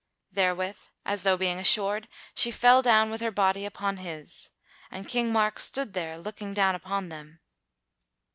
Therewith, as though being assured, she fell down with her body upon his; and King Mark stood there looking down upon them.